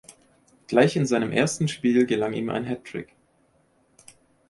Gleich in seinem ersten Spiel gelang ihm ein Hattrick.